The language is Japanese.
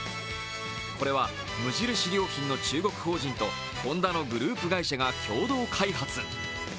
これは無印良品の中国法人とホンダのグループ会社が共同開発。